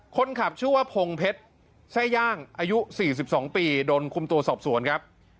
คนขับชื่อว่าพงเพชรไส้ย่างอายุสี่สิบสองปีโดนคุมตัวสอบสวนครับ